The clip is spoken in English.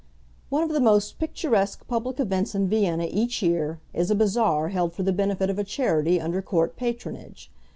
One of the most picturesque public events in Vienna each year, is a bazaar held for the benefit of a charity under court patronage.